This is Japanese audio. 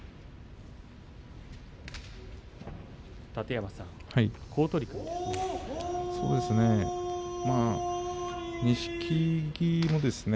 楯山さん、好取組ですね。